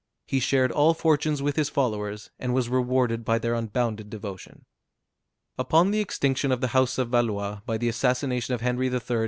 He shared all fortunes with his followers, and was rewarded by their unbounded devotion. Upon the extinction of the house of Valois, by the assassination of Henry III.